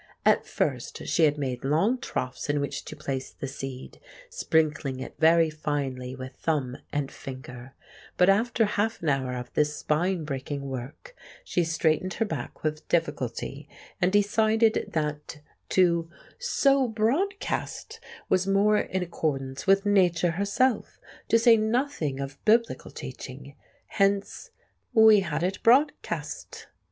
At first she had made long troughs in which to place the seed, sprinkling it very finely with thumb and finger; but after half an hour of this spine breaking work she straightened her back with difficulty, and decided that to "sow broadcast" was more in accordance with Nature herself, to say nothing of Biblical teaching. Hence we had it broadcast.